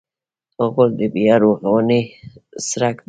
غول د بیا رغونې څرک دی.